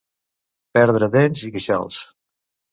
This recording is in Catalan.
Perdre dents i queixals.